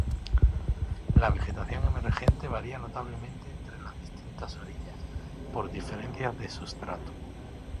La vegetación emergente varía notablemente entre las distintas orillas por diferencias de sustrato.